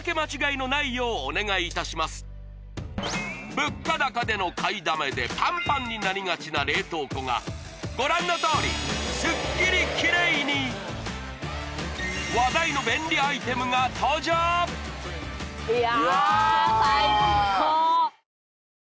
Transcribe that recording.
物価高での買いだめでパンパンになりがちな冷凍庫がご覧のとおりすっきりキレイに話題の便利アイテムが登場いや